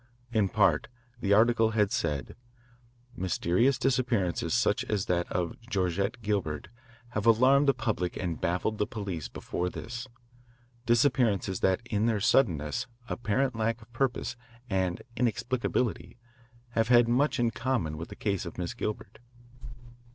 In part the article had said: Mysterious disappearances, such as that of Georgette Gilbert, have alarmed the public and baffled the police before this, disappearances that in their suddenness, apparent lack of purpose, and inexplicability, have had much in common with the case of Miss Gilbert.